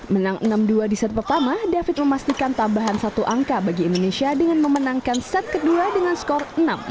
menang enam dua di set pertama david memastikan tambahan satu angka bagi indonesia dengan memenangkan set kedua dengan skor enam satu